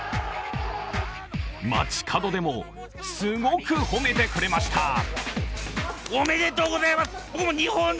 街角でもすごく褒めてくれました。